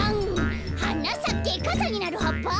「はなさけかさになるはっぱ」